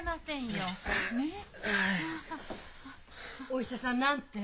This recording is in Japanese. お医者さん何て？